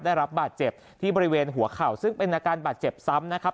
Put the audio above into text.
ได้รับบาดเจ็บที่บริเวณหัวเข่าซึ่งเป็นอาการบาดเจ็บซ้ำนะครับ